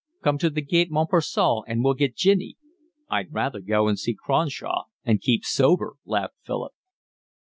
"Come to the Gaite Montparnasse, and we'll get ginny." "I'd rather go and see Cronshaw and keep sober," laughed Philip.